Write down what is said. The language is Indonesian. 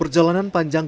jika ada yang